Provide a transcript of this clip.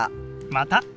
また。